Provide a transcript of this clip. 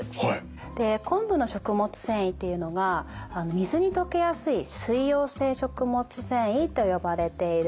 で昆布の食物繊維っていうのが水に溶けやすい水溶性食物繊維と呼ばれているものなんですね。